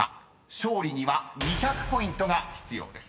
［勝利には２００ポイントが必要です］